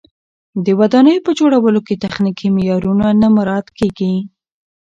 د ودانیو په جوړولو کې تخنیکي معیارونه نه مراعت کېږي.